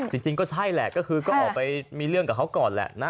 จริงก็ใช่แหละก็คือก็ออกไปมีเรื่องกับเขาก่อนแหละนะ